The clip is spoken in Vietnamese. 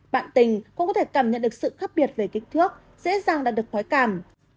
bạn tình cũng có thể cảm nhận được sự khác biệt về kích thước dễ dàng đạt được khói cảm